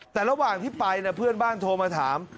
แต่ระหว่างที่ไปเพื่อนบ้านโทรมาถาม